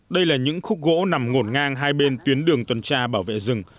đây là những khúc gỗ nằm ngổn ngang hai bên tuyến đường tuần tra bảo vệ rừng